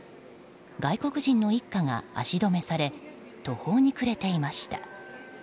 外国人一家が足止めされ途方に暮れていました。